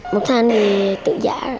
một tháng thì tự giả